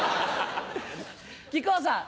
木久扇さん。